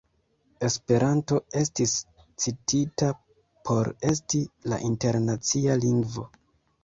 Esperanto estis citita por esti la internacia lingvo.